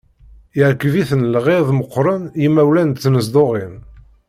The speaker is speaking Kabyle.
Yerkeb-iten lɣiḍ meqqren yimawlan n tnezduɣin.